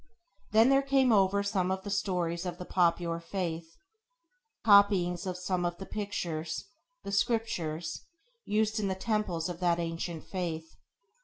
Then there came over some of the stories of the popular faith, copyings of some of the pictures, the sculptures, used in the temples of that ancient faith.